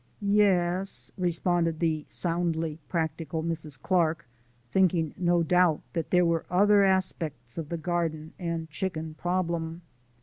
"Ye es," responded the soundly practical Mrs. Clark, thinking, no doubt, that there were other aspects of the garden and chicken problem.